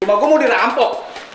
rumah gue mau dirampok